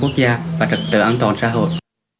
quốc gia và trật tự an toàn xã hội